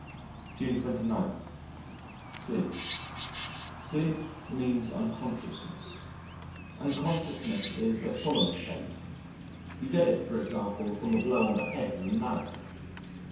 June 29. Sleep Sleep means unconsciousness: unconsciousness is a solemn state you get it for example from a blow on the head with a mallet.